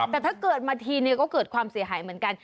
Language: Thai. แต่ถ้าเกิดมาทีเนี่ยก็เกิดความเสียหายเหมือนกัน